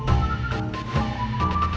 saya akan cerita soal ini